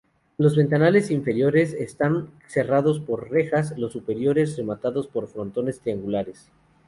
Los ventanales inferiores están cerrados por rejas; los superiores, rematados por frontones triangulares.